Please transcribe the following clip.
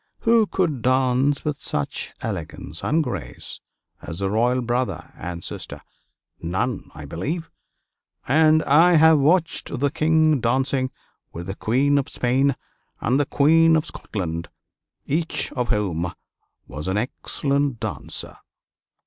Who could dance with such elegance and grace as the royal brother and sister? None, I believe; and I have watched the King dancing with the Queen of Spain and the Queen of Scotland, each of whom was an excellent dancer.